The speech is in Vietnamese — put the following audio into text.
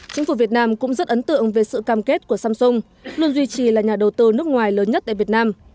chính phủ việt nam cũng rất ấn tượng về sự cam kết của samsung luôn duy trì là nhà đầu tư nước ngoài lớn nhất tại việt nam